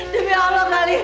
demi allah gali